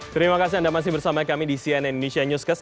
terima kasih anda masih bersama kami di cnn indonesia newscast